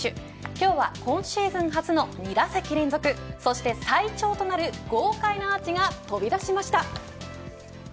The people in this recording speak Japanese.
今日は今シーズン初の２打席連続そして最長となる豪快なアーチが飛び出しました。